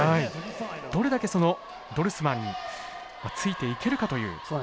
どれだけドルスマンについていけるかという。